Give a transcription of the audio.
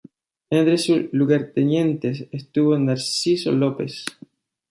Entre sus lugartenientes estuvo Narciso López.